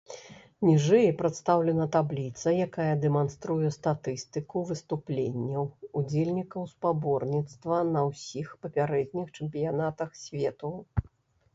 Ніжэй прадстаўлена табліца, якая дэманструе статыстыку выступленняў удзельнікаў спаборніцтва на ўсіх папярэдніх чэмпіянатах свету.